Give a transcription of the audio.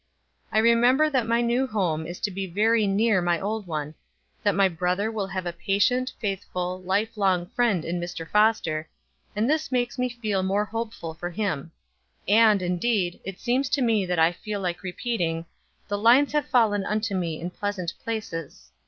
I remember that my new home is to be very near my old one; that my brother will have a patient, faithful, life long friend in Mr. Foster, and this makes me feel more hopeful for him and, indeed, it seems to me that I feel like repeating, 'The lines have fallen unto me in pleasant places.'